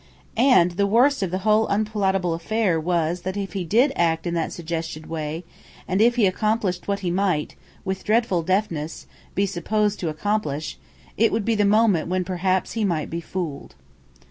And the worst of the whole unpalatable affair was that if he did act in that suggested way, and if he accomplished what he might, with dreadful deftness, be supposed to accomplish, it would be the moment when perhaps he might be fooled.